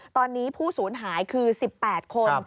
ตอนนี้ผู้สูญหายคือ๑๘คน